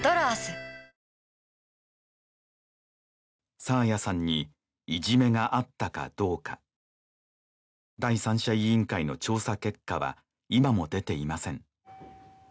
今爽彩さんにいじめがあったかどうか第三者委員会の調査結果は今も出ていません